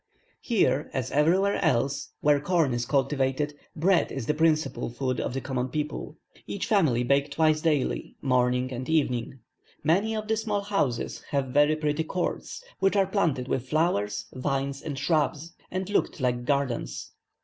Here as everywhere else where corn is cultivated, bread is the principal food of the common people. Every family bake twice daily, morning and evening. Many of the small houses have very pretty courts, which are planted with flowers, vines, and shrubs, and looked like gardens.